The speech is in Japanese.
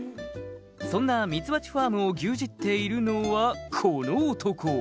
「そんなみつばちファームを牛耳っているのはこの男！」